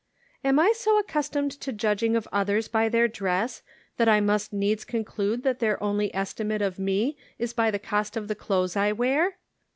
"Am I so accustomed to judging of others by their dress that I must needs conclude that their only estimate of me is by the cost of the clothes I wear